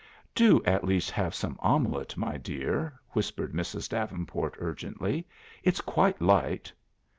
"Do at least have some omelet, my dear," whispered Mrs. Davenport urgently. "It's quite light."